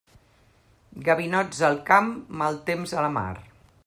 Gavinots al camp, mal temps a la mar.